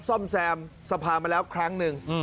ซ่อมแซมสภามาแล้วครั้งหนึ่ง